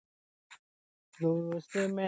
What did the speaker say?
لوستې میندې د ماشومانو د ټپونو سم درملنه کوي.